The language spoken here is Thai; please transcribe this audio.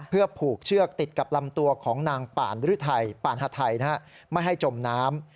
เพื่อผูกเชือกติดกับลำตัวของนางป่านป่านฮาไทยไม่ให้จมน้ำ